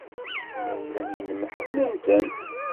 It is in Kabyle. Imawlan-nnem ḥemmlen-ten.